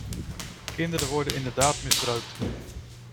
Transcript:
Kinderen worden inderdaad misbruikt.